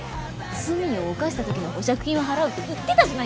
罪を犯した時の保釈金は払うって言ってたじゃないですか！